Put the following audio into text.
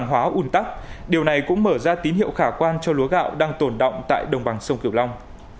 hóa un tắc điều này cũng mở ra tín hiệu khả quan cho lúa gạo đang tồn động tại đồng bằng sông kiểu long